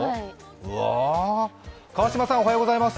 うわ、川島さん、おはようございます。